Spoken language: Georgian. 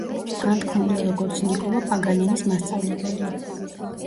განთქმულია როგორც ნიკოლო პაგანინის მასწავლებელი.